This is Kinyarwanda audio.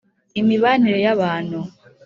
imibanire y‟abantu